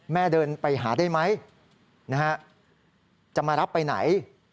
เดินไปหาได้ไหมจะมารับไปไหน